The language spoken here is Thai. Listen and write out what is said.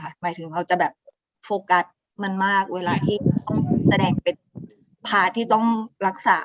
หมายถึงเราจะแบบโฟกัสมันมากเวลาที่ต้องแสดงเป็นพระที่ต้องรักษา